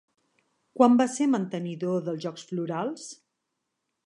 Quan va ser mantenidor dels Jocs Florals?